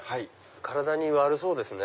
体に悪そうですね。